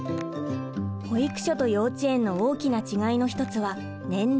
保育所と幼稚園の大きな違いの一つは年齢です。